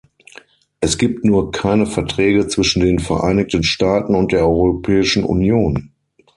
Es gibt nur keine Verträge zwischen den Vereinigten Staaten und der Europäischen Union.